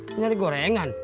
mau nyari gorengan